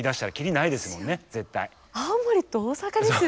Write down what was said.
青森と大阪ですよ